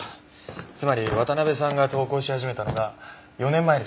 つまり渡辺さんが投稿し始めたのが４年前です。